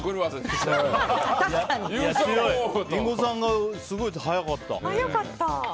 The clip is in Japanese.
リンゴさんがすごい速かった。